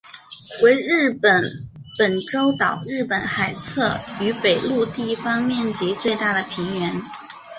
为日本本州岛日本海侧与北陆地方面积最大的平原。